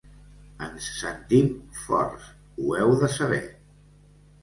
Ens sentim forts, ho heu de saber.